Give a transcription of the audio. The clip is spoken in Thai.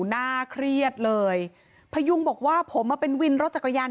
น่าเครียดเลยพยุงบอกว่าผมมาเป็นวินรถจักรยาน